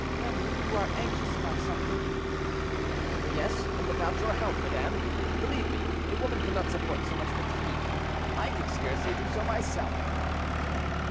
"Remy, you are anxious about something." "Yes, about your health, madame. Believe me, a woman cannot support so much fatigue; I can scarcely do so myself."